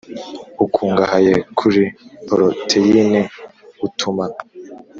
ukungahaye kuri poroteyine utuma